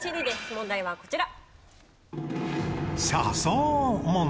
問題はこちら。